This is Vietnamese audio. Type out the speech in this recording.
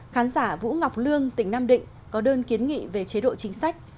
khán giả vũ ngọc lương tỉnh nam định có đơn kiến nghị về chế độ chính sách